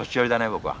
僕は。